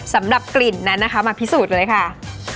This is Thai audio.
สำหรับกลิ่นนั้นนะคะมาพิสูจน์เลยค่ะ